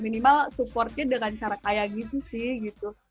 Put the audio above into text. minimal supportnya dengan cara kayak gitu sih gitu